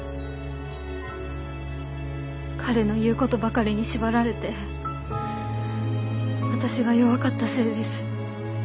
彼の言うことばかりに縛られて私が弱かったせいです。